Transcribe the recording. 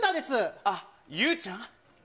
あっ、ゆうちゃん？